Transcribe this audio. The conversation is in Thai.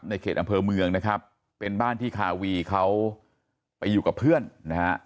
เขตอำเภอเมืองนะครับเป็นบ้านที่คาวีเขาไปอยู่กับเพื่อนนะฮะ